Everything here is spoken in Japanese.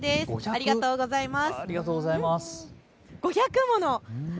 ありがとうございます。